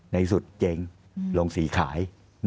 ในสุดเจ๋งลงสีขาย